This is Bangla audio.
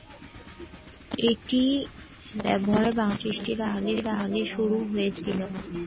এটির ব্যবহার বাংলাদেশ সৃষ্টির আগেই শুরু হয়েছিল।